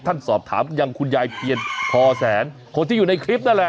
สอบถามอย่างคุณยายเพียรพอแสนคนที่อยู่ในคลิปนั่นแหละ